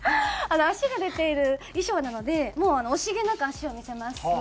足が出ている衣装なのでもう惜しげなく足を見せます。